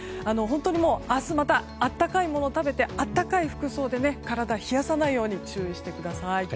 本当に明日また温かいものを食べて暖かい服装で体を冷やさないよう注意してください。